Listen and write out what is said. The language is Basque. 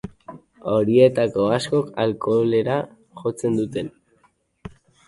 Horietako askok alkoholera jotzen duten.